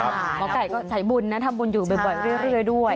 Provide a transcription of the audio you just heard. หมอไก่ก็สายบุญนะทำบุญอยู่บ่อยเรื่อยด้วย